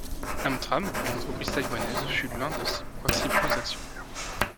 Amtram, une entreprise taïwanaise, fut l'un de ses principaux actionnaires.